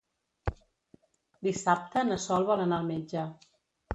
Dissabte na Sol vol anar al metge.